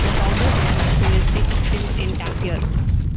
The founders were nationalistic Finns in Tampere.